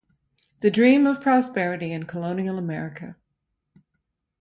The Dream of Prosperity in Colonial America.